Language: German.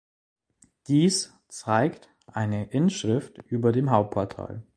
Dies zeigt eine Inschrift über dem Hauptportal.